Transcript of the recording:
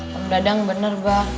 pendadang benar mbah